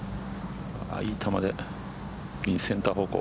いい球でセンター方向。